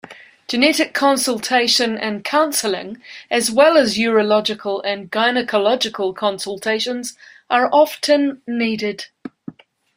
Genetic consultation and counseling as well as urological and gynecological consultations are often needed.